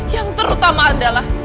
yang terutama adalah